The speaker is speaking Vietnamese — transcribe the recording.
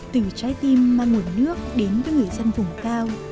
từ trái tim mang nguồn nước đến với người dân vùng cao